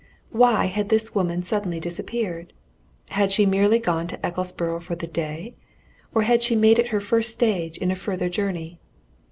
Why had this woman suddenly disappeared? Had she merely gone to Ecclesborough for the day? or had she made it her first stage in a further journey?